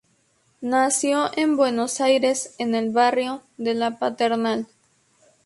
Nació en Buenos Aires, en el barrio de La Paternal.